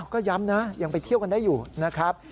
ก็ย้ำนะยังไปเที่ยวกันได้อยู่นะครับ